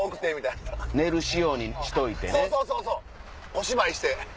小芝居して。